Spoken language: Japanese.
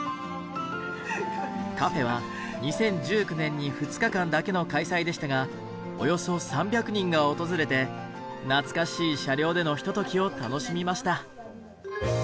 カフェは２０１９年に２日間だけの開催でしたがおよそ３００人が訪れて懐かしい車両でのひとときを楽しみました。